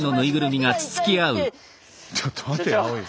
ちょっと待て青井。